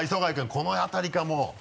この辺りからもう。